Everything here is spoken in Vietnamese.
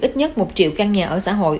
ít nhất một triệu căn nhà ở xã hội